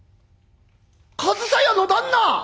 「上総屋の旦那！